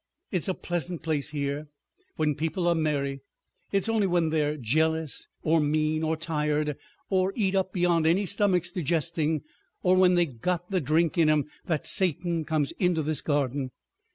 It's a pleasant place here when people are merry; it's only when they're jealous, or mean, or tired, or eat up beyond any stomach's digesting, or when they got the drink in 'em that Satan comes into this garden.